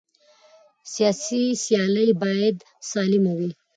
سیاسي سیالۍ باید سالمه وي